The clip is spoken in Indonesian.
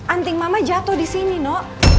anting mama jatuh di sini nok